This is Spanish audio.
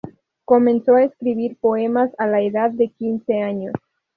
Comenzó a escribir poemas a la edad de quince años.